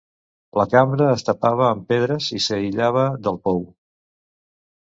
La cambra es tapava amb pedres i s'aïllava del pou.